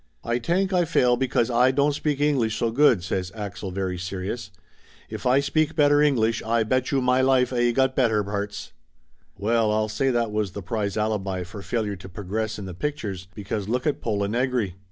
"Ay tank Ay fail because Ay don't speak English so good," says Axel very serious. "If Ay speak better English, Ay betchew may life Ay got better parts!" Well, I'll say that was the prize alibi for failure to progress in the pictures, because lookit Pola Negri.